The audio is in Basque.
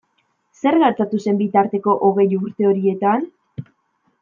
Zer gertatu zen bitarteko hogei urte horietan?